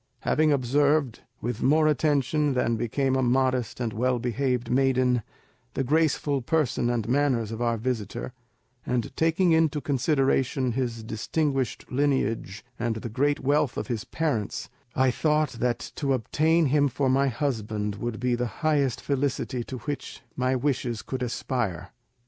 Having observed, with more attention than became a modest and well behaved maiden, the graceful person and manners of our visitor, and taking into consideration his distinguished lineage and the great wealth of his parents, I thought that to obtain him for my husband would be the highest felicity to which my wishes could aspire.